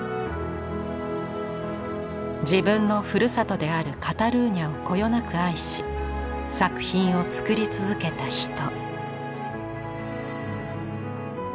自分のふるさとであるカタルーニャをこよなく愛し作品を作り続けた人。